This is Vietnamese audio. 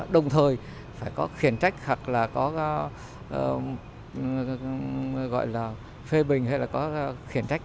đồng thời phải có khiển trách hoặc là có gọi là phê bình hay là có khiển trách